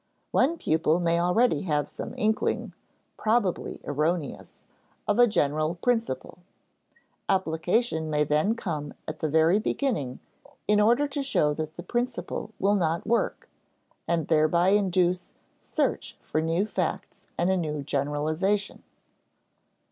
One pupil may already have some inkling probably erroneous of a general principle. Application may then come at the very beginning in order to show that the principle will not work, and thereby induce search for new facts and a new generalization.